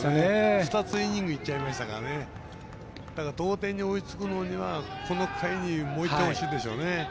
２つイニングがいっちゃってますから同点に追いつくのにはこの回にもう一回、欲しいでしょうね